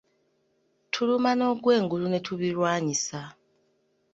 Tuluma n'ogwengulu ne tubirwanyisa.